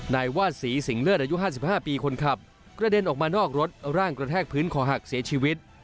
นายวาดศรีสิงเลิศอายุ๕๕ปีคนขับกระเด็นออกมานอกรถร่างกระแทกพื้นคอหักเสียชีวิต